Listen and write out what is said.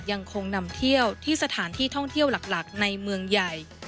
ยังคงนำเที่ยวที่สถานที่ท่องเที่ยวหลักในเมืองใหญ่